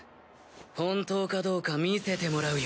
本当かどうか見せてもらうよ。